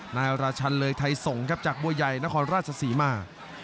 นายราชันเลยไทยส่งครับจากบัวใหญ่นครราชศรีมา